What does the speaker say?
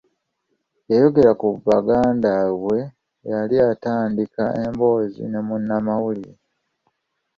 Yayogera ku baganda be bwe yali atandika emboozi ne munnamawulire.